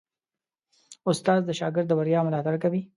استاد د شاګرد د بریا ملاتړ کوي.